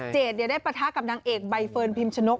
ได้ปะทะกับนางเอกใบเฟิร์นพิมชนก